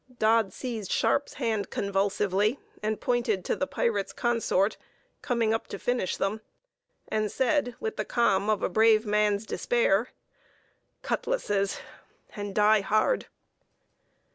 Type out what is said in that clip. Dodd seized Sharpe's hand convulsively, and pointed to the pirate's consort coming up to finish them; and said, with the calm of a brave man's despair, "Cutlasses! and die hard!"